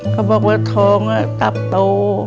เขาบอกว่าท้องตับโต